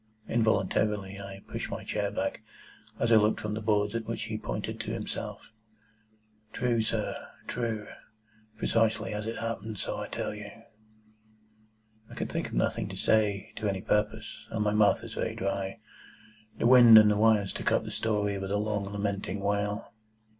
Involuntarily I pushed my chair back, as I looked from the boards at which he pointed to himself. "True, sir. True. Precisely as it happened, so I tell it you." I could think of nothing to say, to any purpose, and my mouth was very dry. The wind and the wires took up the story with a long lamenting wail.